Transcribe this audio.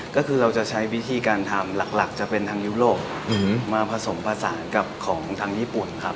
ก็คือเราจะใช้วิธีการทำหลักจะเป็นทางยุโรปมาผสมผสานกับของทางญี่ปุ่นครับ